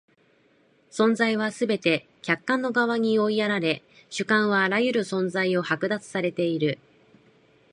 存在はすべて客観の側に追いやられ、主観はあらゆる存在を剥奪されている。